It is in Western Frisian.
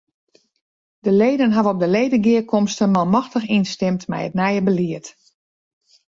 De leden hawwe op de ledegearkomste manmachtich ynstimd mei it nije belied.